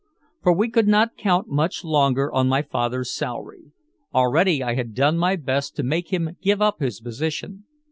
For we could not count much longer on my father's salary. Already I had done my best to make him give up his position.